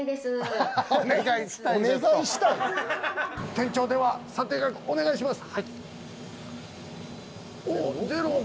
店長、査定額をお願いします。